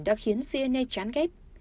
đã khiến siene chán ghét